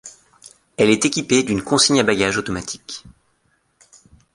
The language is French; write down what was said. Elle est équipée d'une consigne à bagages automatique.